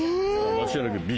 間違いなくＢ。